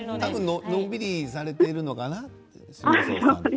結構のんびりされているのかな